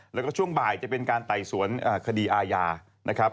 แล้วก็ช่วงบ่ายจะเป็นการไต่สวนคดีอาญานะครับ